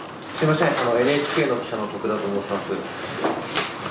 ＮＨＫの記者のとくだと申します。